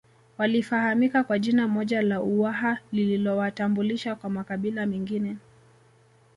Walifahamika kwa jina moja la Uwaha lililowatambulisha kwa makabila mengine